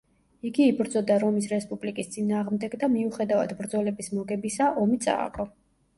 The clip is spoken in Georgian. იგი იბრძოდა რომის რესპუბლიკის წინააღმდეგ და მიუხედავად ბრძოლების მოგებისა, ომი წააგო.